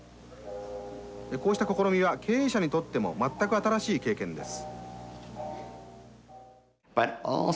こうした試みは経営者にとっても全く新しい経験です」。